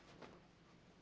gak ada apa apa